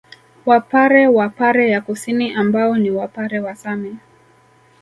Wapare wa Pare ya Kusini ambao ni Wapare wa Same